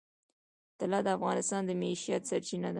طلا د افغانانو د معیشت سرچینه ده.